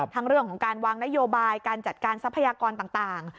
เรื่องของการวางนโยบายการจัดการทรัพยากรต่าง